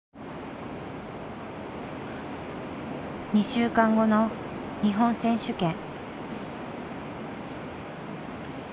２週間後の日本選手権。